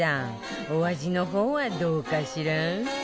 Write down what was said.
お味の方はどうかしら？